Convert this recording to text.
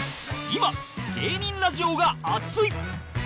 今芸人ラジオが熱い！